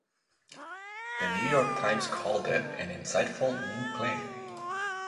"The New York Times" called it "An insightful new play.